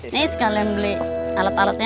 ini sekalian beli alat alatnya